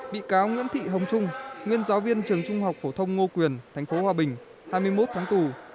bị cáo nguyễn thị hồng trung nguyên giáo viên trường trung học phổ thông ngô quyền tp hòa bình hai mươi một tháng tù